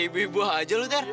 ibu ibu aja lo ter